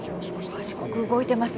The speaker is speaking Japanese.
賢く動いてますね。